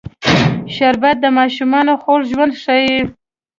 شربت د ماشومانو خوږ ژوند ښيي